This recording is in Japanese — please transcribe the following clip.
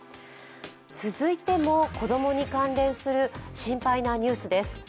続いても子供に関連する心配なニュースです。